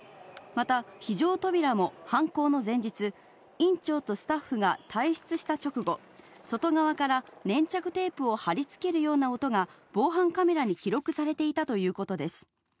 また、非常扉も犯行の前日、院長とスタッフが退出した直後、外側から粘着テープを貼り付けるような音が防犯カメラに記録されていたということです。